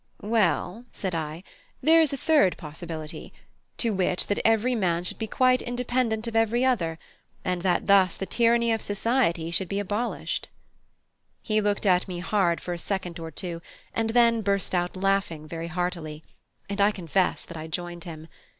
"Well," said I, "there is a third possibility to wit, that every man should be quite independent of every other, and that thus the tyranny of society should be abolished." He looked hard at me for a second or two, and then burst out laughing very heartily; and I confess that I joined him.